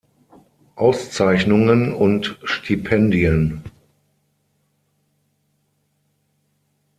Auszeichnungen und Stipendien